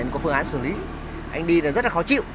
có phương án xử lý anh đi là rất là khó chịu